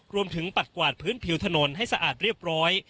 ปัดกวาดพื้นผิวถนนให้สะอาดเรียบร้อย